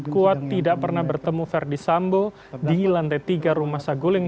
kuat tidak pernah bertemu verdi sambo di lantai tiga rumah saguling